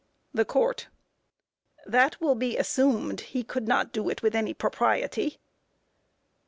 THE COURT: That will be assumed. He could not do it with any propriety.